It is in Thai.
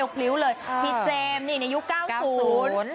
พี่เจมส์ในยุคเก้าศูนย์